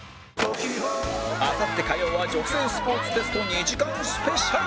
あさって火曜は女性スポーツテスト２時間スペシャル